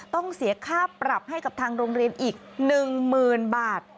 ต้องเสียค่าปรับให้กับทางโรงเรียนอีก๑๐๐๐บาท